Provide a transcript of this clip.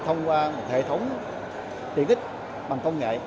thông qua một hệ thống tiện ích bằng công nghệ